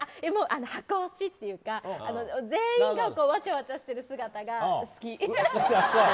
箱推しっていうか全員がわちゃわちゃしてる姿が好き。